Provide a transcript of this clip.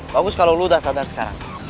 bagus kalo lo udah sadar sekarang